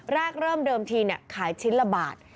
รากเริ่มเดิมทีเนี่ยขายชิ้นละบาท